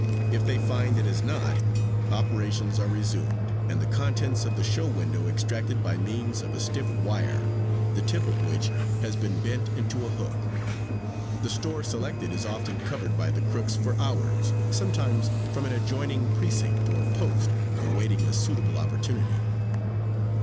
If they find it has not, operations are resumed and the contents of the show window extracted by means of a stiff wire, the tip of which has been bent into a hook. The store selected is often covered by the crooks for hours, sometimes from an adjoining precinct or post, awaiting a suitable opportunity.